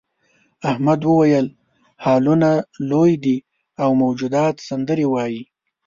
احمد وویل هالونه لوی دي او موجودات سندرې وايي.